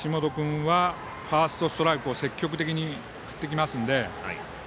岸本君はファーストストライクを積極的に振ってきますので。